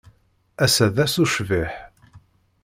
Ass-a d ass ucbiḥ.